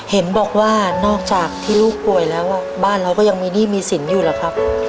เห็นบอกว่านอกจากที่ลูกป่วยแล้วบ้านเราก็ยังมีหนี้มีสินอยู่เหรอครับ